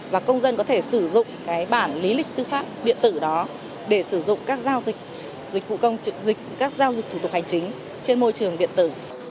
và công dân có thể sử dụng cái bản lý lịch tư pháp điện tử đó để sử dụng các giao dịch dịch vụ công trực dịch các giao dịch thủ tục hành chính trên môi trường điện tử